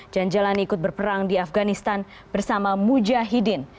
janjalani ikut berperang di afganistan bersama mujahidin